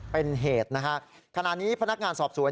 เป็นเหตุนะฮะขณะนี้พนักงานสอบสวน